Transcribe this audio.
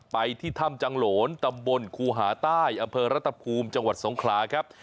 ไปที่ถ้ำจังโหลนตำบลครูหาใต้อำเภอรัฐภูมิจังหวัดสงขลาครับ